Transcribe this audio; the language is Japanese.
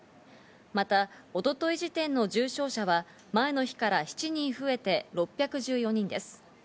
また一昨日時点の重症者は前の日から７人増えて、６１４人です。